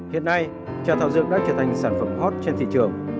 hiện nay trà thảo dược đã trở thành sản phẩm hot trên thị trường